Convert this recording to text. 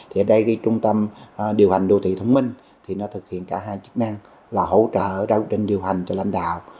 ở đây trung tâm điều hành đô thị thông minh thực hiện cả hai chức năng là hỗ trợ đối tượng điều hành cho lãnh đạo